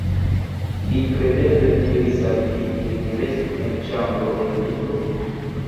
Li kredeble diris al vi, ke vi restu en ĉambro en lito?